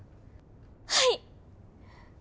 はい！